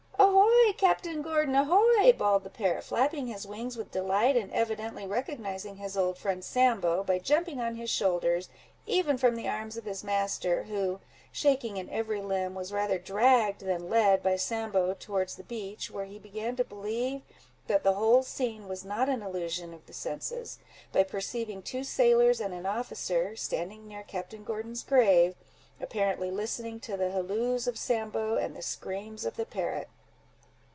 "Ahoy, Captain Gordon, ahoy!" bawled the parrot, flapping his wings with delight, and evidently recognising his old friend Sambo, by jumping on his shoulders, even from the arms of his master, who, shaking in every limb, was rather dragged than led by Sambo towards the beach, where he began to believe that the whole scene was not an illusion of the senses, by perceiving two sailors, and an officer, standing near Capt. Gordon's grave, apparently listening to the halloos of Sambo, and the screams of the parrot.